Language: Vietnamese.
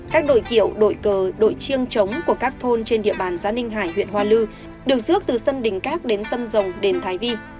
các đội kiệu đội cờ đội chiêng trống của các thôn trên địa bàn xã ninh hải huyện hoa lư được rước từ sân đình các đến sân rồng đền thái vi